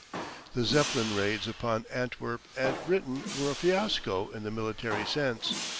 The Zeppelin raids upon Antwerp and Britain were a fiasco in the military sense.